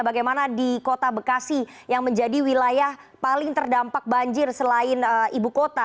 bagaimana di kota bekasi yang menjadi wilayah paling terdampak banjir selain ibu kota